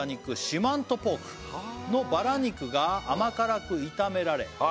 四万十ポークのバラ肉が甘辛く炒められはい